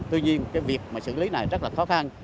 tuy nhiên việc xử lý này rất khó khăn